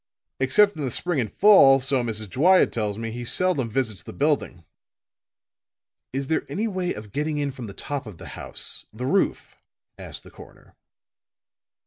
Except in the spring and fall, so Mrs. Dwyer tells me, he seldom visits the building." "Is there any way of getting in from the top of the house the roof?" asked the coroner.